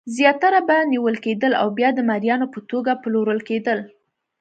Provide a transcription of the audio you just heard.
زیاتره به نیول کېدل او بیا د مریانو په توګه پلورل کېدل.